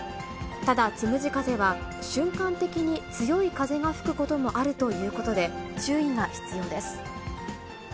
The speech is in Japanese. ただ、つむじ風は、瞬間的に強い風が吹くこともあるということで、注意が必要です。